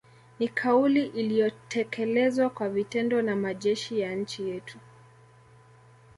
Ni kauli iliyotekelezwa kwa vitendo na majeshi ya nchi yetu